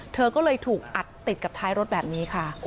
เธอก็เลยถูกอัดติดกับท้ายรถแบบนี้ค่ะ